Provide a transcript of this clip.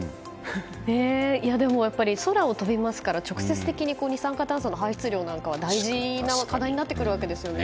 やっぱり、空を飛びますから直接的に、二酸化炭素の排出量なんかは大事な課題になってきますからね。